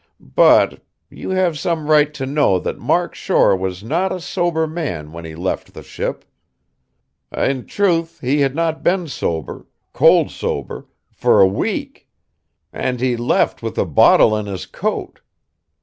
But you have some right to know that Mark Shore was not a sober man when he left the ship. I' truth, he had not been sober cold sober for a week. And he left with a bottle in his coat."